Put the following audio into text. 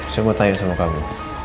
semua tanya sama kamu